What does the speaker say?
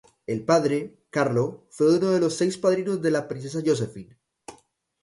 El padre, Carlo, fue uno de los seis padrinos de la Princesa Josephine.